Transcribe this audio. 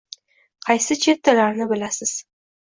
Qaysi chet tillarini bilasiz?